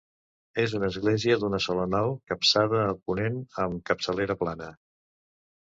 És una església d'una sola nau, capçada a ponent amb capçalera plana.